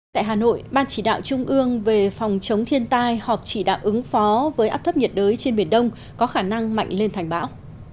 tại hà nội ban chỉ đạo trung ương về phòng chống thiên tai họp chỉ đạo ứng phó với áp thấp nhiệt đới trên biển đông có khả năng mạnh lên thành bão